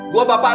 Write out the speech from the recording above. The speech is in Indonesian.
gue bapak lu